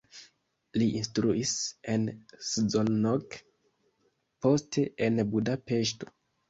Li instruis en Szolnok, poste en Budapeŝto.